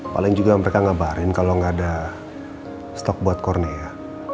paling juga mereka ngabarin kalau nggak ada stok buat korea